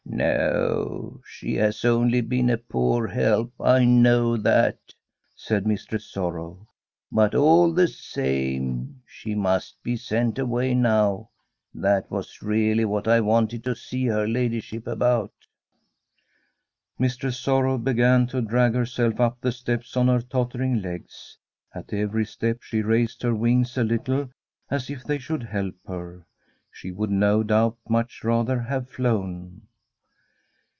^ No, she has only been a poor help, I know ne STORY of a COUNTRY HOUSE that/ said Mistress Sorrow. ' But, all the same, she must be sent away now. That was really what I wanted to see her ladyship about.' Mistress Sorrow began to drag herself up the steps on her tottering legs. At every step she raised her wings a little, as if they should help her. She would, no doubt, much rather have flown.